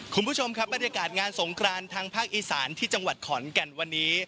คุณผู้ชมครับบรรยากาศงานสงครานทางภาคอีสานที่จังหวัดขอนแก่นวันนี้